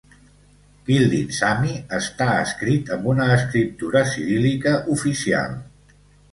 Kildin Sami està escrit amb una escriptura ciríl·lica oficial.